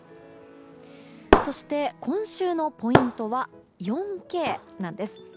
そして、今週のポイントは４Ｋなんです。